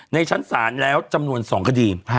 ในชั้นศาลแล้วจำนวน๒คดี